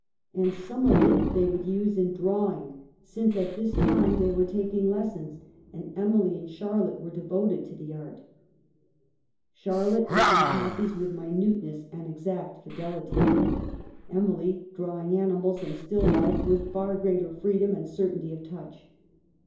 And some of it they would use in drawing, since at this time they were tak ing lessons, and Emily and Charlotte were de voted to the art : Charlotte making copies with minuteness and exact fidelity ; Emily drawing animals and still life with far greater freedom and certainty of touch.